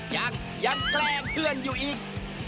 ยังยังแกล้งเพื่อนอยู่อีก